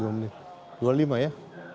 dua menit dua puluh lima ya